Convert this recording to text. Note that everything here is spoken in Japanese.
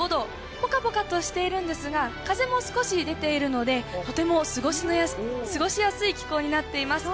ぽかぽかとしているんですが、風も少し出ているので、とても過ごしやすい気候になっています。